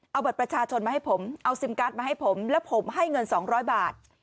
เอาบัตรประชาชนมาให้ผมเอาซิมการ์ดมาให้ผมแล้วผมให้เงิน๒๐๐บาท